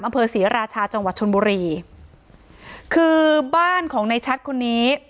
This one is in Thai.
อำเภอศรีราชาจังหวัดชนบุรีคือบ้านของในชัดคนนี้